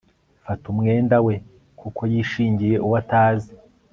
fata umwenda we, kuko yishingiye uwo atazi